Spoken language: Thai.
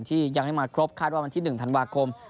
ที่ยังไม่มาครบคาดว่าวันที่๑ธันวาคม